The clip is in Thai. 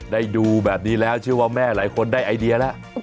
ได้ดูแบบนี้แล้วเชื่อว่าแม่หลายคนได้ไอเดียแล้ว